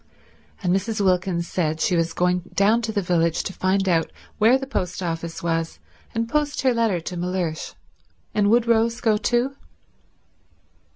And Mrs. Wilkins said she was going down to the village to find out where the post office was and post her letter to Mellersh, and would Rose go too.